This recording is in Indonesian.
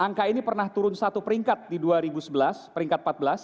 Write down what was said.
angka ini pernah turun satu peringkat di dua ribu sebelas peringkat empat belas